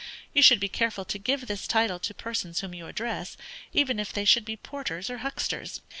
_ You should be careful to give this title to persons whom you address, even if they should be porters or hucksters.